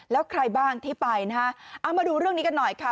แล้วใครบ้างที่ไปนะฮะเอามาดูเรื่องนี้กันหน่อยค่ะ